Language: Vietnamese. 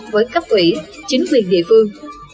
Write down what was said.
với cấp ủy chính quyền địa phương